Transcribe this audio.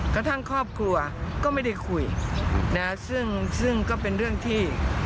กระทั่งครอบครัวก็ไม่ได้คุยนะซึ่งก็เป็นเรื่องที่